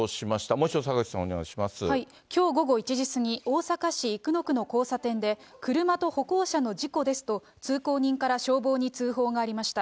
もう一度、きょう午後１時過ぎ、大阪市生野区の交差点で車と歩行者の事故ですと、通行人から消防に通報がありました。